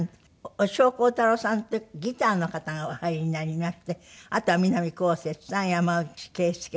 押尾コータローさんというギターの方がお入りになりましてあとは南こうせつさん山内惠介さん